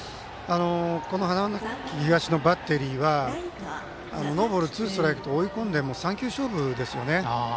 この花巻東のバッテリーはノーボールツーストライクと追い込んで、３球勝負ですよね。